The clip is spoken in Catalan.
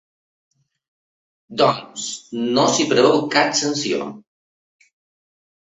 Doncs no s’hi preveu cap sanció.